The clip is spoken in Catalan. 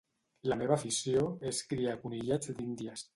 La meva afició és criar conillets d'Índies.